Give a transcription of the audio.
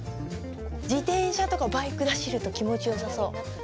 自転車とかバイクで走ると気持ちよさそう。